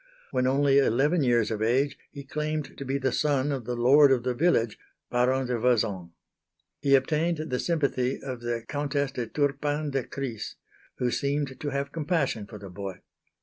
When only eleven years of age he claimed to be the son of the lord of the village, Baron de Vezins. He obtained the sympathy of the Countess de Turpin de Crisse, who seemed to have compassion for the boy.